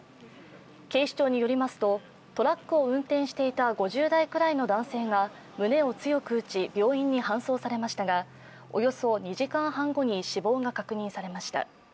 警視庁によりますと、トラックを運転していた５０代くらいの男性が胸を強く打ち病院に搬送されましたが、およそ２時間半後に死亡が確認されました。